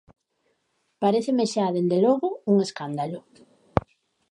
Paréceme xa, dende logo, un escándalo.